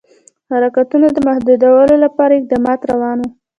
حرکتونو د محدودولو لپاره اقدامات روان وه.